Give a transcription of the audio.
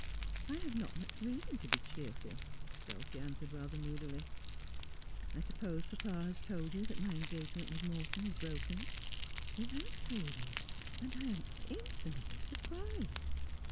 ' I have not much reason to be cheerful,' Dulcie answered rather moodily. ' I suppose papa has told you that my engage ment with Morton is broken 'I ' 'He has told me, and I am infinitely surprised.'